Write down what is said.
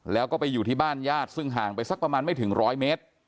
แล้วก็ไปอยู่ที่บ้านญาติซึ่งห่างไปสักประมาณไม่ถึงร้อยเมตร